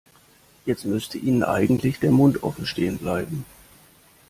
Jetzt müsste Ihnen eigentlich der Mund offen stehen bleiben.